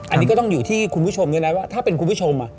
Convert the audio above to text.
อันนี้ก็ต้องอยู่ที่คุณผู้ชมด้วยนะว่าถ้าเป็นคุณผู้ชม